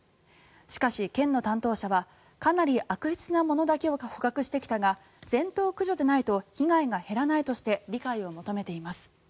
しかし、県の担当者はかなり悪質なものだけを捕獲してきたが全頭駆除でないと被害が減らないとして理解を求めています。